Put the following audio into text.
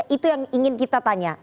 itu yang ingin kita tanya